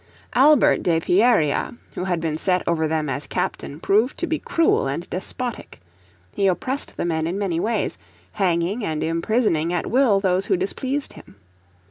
Albert de Pierria who had been set over them as captain proved to be cruel and despotic. He oppressed the men in many ways, hanging and imprisoning at will those who displeased him.